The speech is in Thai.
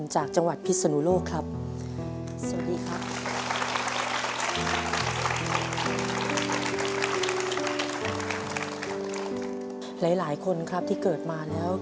หลายคนครับที่เกิดมาแล้ว